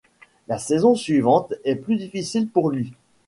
La saison suivante est plus difficile pour lui.